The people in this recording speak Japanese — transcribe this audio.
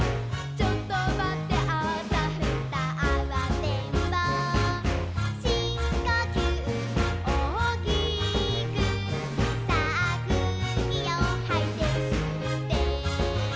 「ちょっとまってあたふたあわてんぼう」「しんこきゅうおおきくさあくうきをはいてすって」